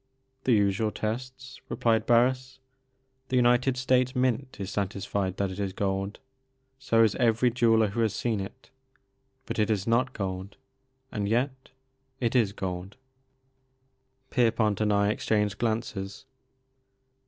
"The usual tests," replied Harris. "The United States Mint is satisfied that it is gold, so is every jeweller who has seen it. Hut it is not gold, — and yet — ^it is gold." Pierpont and I exchanged glances.